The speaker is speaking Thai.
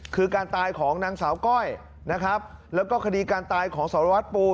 คือการตายของนางสาวก้อยนะครับแล้วก็คดีการตายของสารวัตรปู